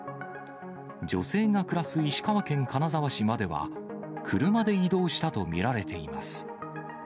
女性が暮らす石川県金沢市までは車で移動したと見られています。